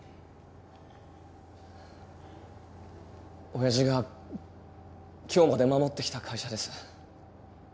親父が今日まで守ってきた会社です